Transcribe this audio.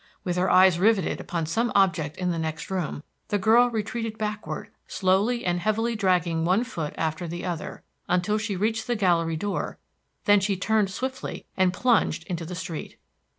With her eyes riveted upon some object in the next room, the girl retreated backward slowly and heavily dragging one foot after the other, until she reached the gallery door; then she turned swiftly, and plunged into the street.